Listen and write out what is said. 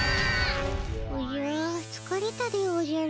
おじゃつかれたでおじゃる。